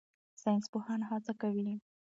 ساینسپوهان هڅه کوي.